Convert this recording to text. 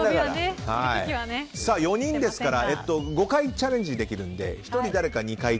４人ですから５回チャレンジできるので１人誰か２回。